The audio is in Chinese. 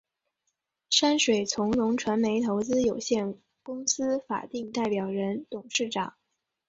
山水从容传媒投资有限公司法定代表人、董事长